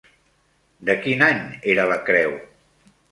De quin any era la creu?